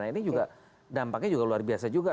ini juga dampaknya luar biasa juga